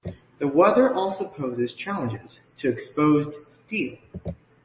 The weather also poses challenges to exposed steel.